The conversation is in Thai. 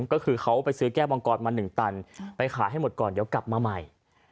ก็คือเขาไปซื้อแก้วมังกรมา๑ตันไปขายให้หมดก่อนเดี๋ยวกลับมาใหม่